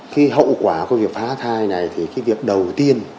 cái hậu quả của việc phá thai này thì cái việc đầu tiên